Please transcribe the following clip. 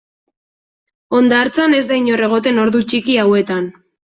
Hondartzan ez da inor egoten ordu txiki hauetan.